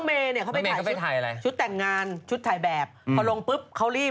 มีชั้นโลกสวย